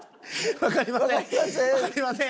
「わかりません」。